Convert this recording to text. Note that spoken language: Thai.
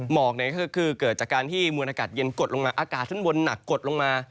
หมอกก็คือเกิดจากการที่มวลอากาศเย็นกดลงมาอากาศข้างบนหนักกดลงมา